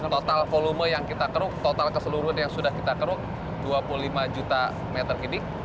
total volume yang kita keruk total keseluruhan yang sudah kita keruk dua puluh lima juta meter kubik